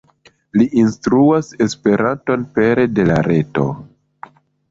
Li instruas Esperanton pere de la reto.